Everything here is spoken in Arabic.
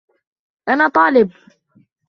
أنا طالب.